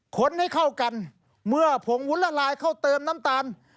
ให้เข้ากันเมื่อผงวุ้นละลายเข้าเติมน้ำตาล